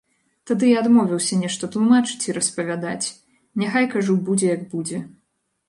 Тады я адмовіўся нешта тлумачыць і распавядаць, няхай, кажу будзе як будзе.